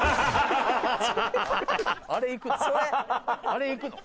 あれいくの？